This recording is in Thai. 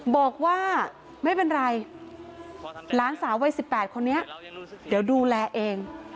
บอกว่าไม่เป็นไรหลานสาววัย๑๘คนนี้เดี๋ยวดูแลเอง